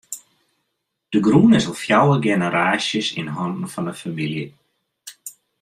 De grûn is al fjouwer generaasjes yn hannen fan de famylje.